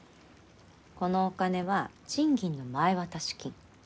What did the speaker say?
このお金は賃金の前渡し金。